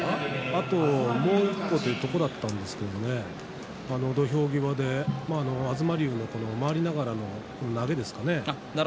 あともう一歩というところだったんですが土俵際で東龍が回りながらの投げですかね。